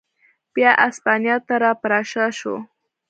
بیا اسپانیا ته را پرشا شو.